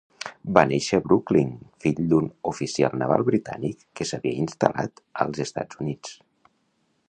Va néixer a Brooklyn fill d’un oficial naval britànic que s’havia instal·lat als Estats Units.